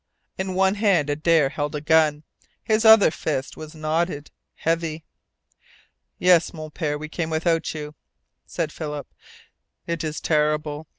In one hand Adare held a gun. His other fist was knotted, heavy. "Yes, Mon Pere, we came without you," said Philip. "It is terrible.